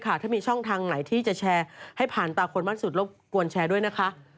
ถ้ามีช่องทางไหนที่จะแชร์ให้ผ่านตาคนมากสุดรบกวนแชร์ด้วยนะคะ